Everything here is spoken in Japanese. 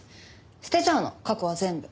捨てちゃうの過去は全部。